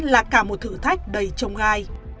là cả một thử thách đầy trông gai